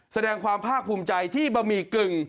แสดงความภาคภูมิใจที่บะหมี่กึ่ง